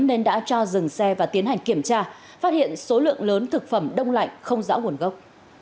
nên đã cho dừng xe và tiến hành kiểm tra phát hiện số lượng lớn thực phẩm đông lạnh không rõ nguồn gốc